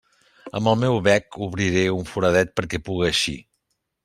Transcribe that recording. Amb el meu bec obriré un foradet perquè puga eixir.